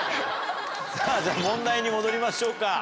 さあ、じゃあ問題に戻りましょうか。